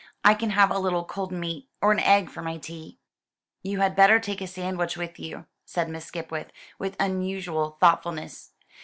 I can have a little cold meat, or an egg, for my tea." "You had better take a sandwich with you," said Miss Skipwith, with unusual thoughtfulness.